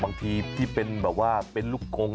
บางทีที่เป็นแบบว่าเป็นลูกกง